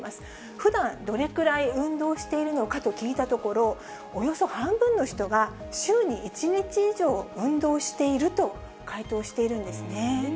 ふだん、どれくらい運動しているのかと聞いたところ、およそ半分の人が、週に１日以上運動していると回答しているんですね。